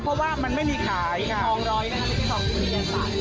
เพราะว่ามันไม่มีขายค่ะทองร้อยนะครับปิดทองวิทยาศาสตร์